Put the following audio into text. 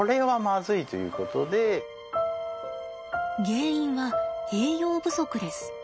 原因は栄養不足です。